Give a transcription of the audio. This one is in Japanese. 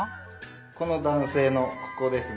この男せいのここですね。